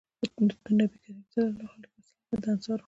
نو نبي کريم صلی الله علیه وسلّم به د انصارو